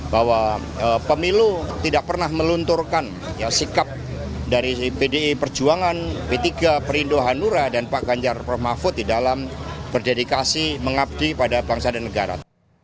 bahwa pemilu tidak pernah melunturkan sikap dari pdi perjuangan p tiga perindo hanura dan pak ganjar permafut di dalam berdedikasi mengabdi pada bangsa dan negara